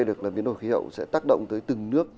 được là biến đổi khí hậu sẽ tác động tới từng nước